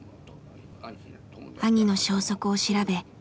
兄の消息を調べ